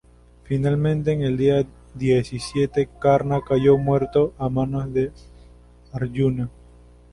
Finalmente, en el día diecisiete, Karna cayó muerto a manos de Áryuna.